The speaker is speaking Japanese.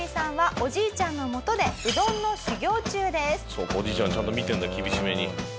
おじいちゃんちゃんと見てるんだ厳しめに。